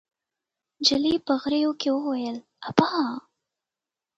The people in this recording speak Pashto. نجلۍ په غريو کې وويل: ابا!